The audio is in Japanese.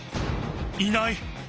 いない！